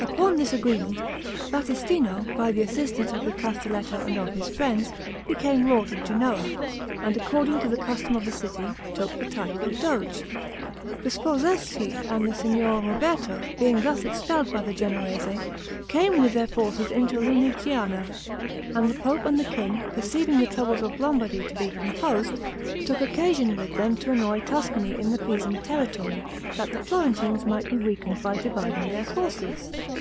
Upon this agreement, Battistino, by the assistance of the Castelletto and of his friends, became lord of Genoa; and according to the custom of the city, took the title of Doge. The Sforzeschi and the Signor Roberto, being thus expelled by the Genoese, came with their forces into Lunigiana, and the pope and the king, perceiving the troubles of Lombardy to be composed, took occasion with them to annoy Tuscany in the Pisan territory, that the Florentines might be weakened by dividing their forces.